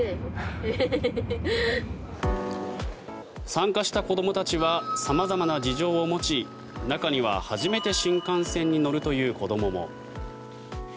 参加した子どもたちは様々な事情を持ち中には初めて新幹線に乗るという子どもも。